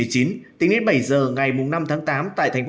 tính đến bảy h ngày năm tháng tám tại tp hcm